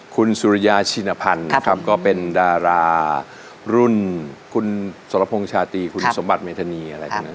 คุณสุริยาชินพันธ์นะครับก็เป็นดารารุ่นคุณสมบัติเมธานีอะไรแบบนั้น